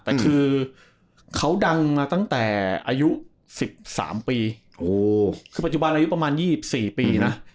แต่คือเขาดังมาตั้งแต่อายุ๑๓ปีคือปัจจุบันอายุประมาณ๒๔ปีนะ